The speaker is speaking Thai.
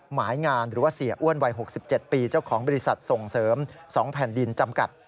หมายงานหรือว่าเสียอ้วนวัย๖๗ปีเจ้าของบริษัทส่งเสริม๒แผ่นดินจำกัด